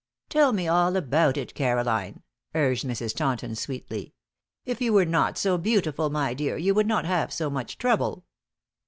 "Tell me all about it, Caroline," urged Mrs. Taunton, sweetly. "If you were not so beautiful, my dear, you would not have so much trouble."